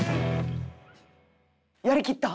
「やりきった」